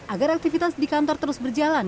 agar aktivitas di kantor terus berjalan